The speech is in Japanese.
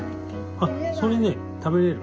あっそれね食べれる。